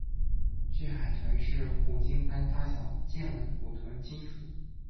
巨海豚是虎鲸般大小的剑吻古豚亲属。